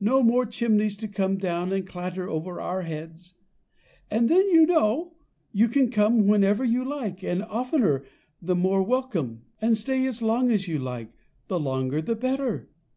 No more chimneys to come down and clatter over our heads; and then, you know, you can come whenever you like, the oftener the more welcome, and stay as long as you like, the longer the better.